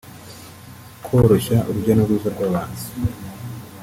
Koroshya urujya n’uruza rw’abantu